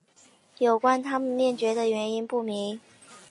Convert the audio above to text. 有关它们灭绝的原因不明。